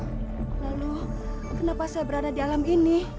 lalu kenapa saya berada di alam ini